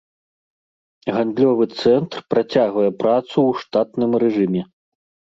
Гандлёвы цэнтр працягвае працу ў штатным рэжыме.